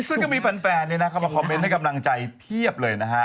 ซึ่งก็มีแฟนเข้ามาคอมเมนต์ให้กำลังใจเพียบเลยนะฮะ